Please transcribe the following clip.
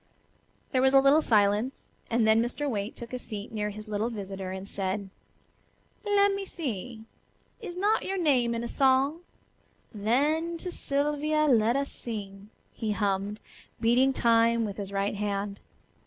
There was a little silence, and then Mr. Waite took a seat near his little visitor and said: "Let me see; is not your name in a song? 'Then to Sylvia let us sing,'" he hummed, beating time with his right hand.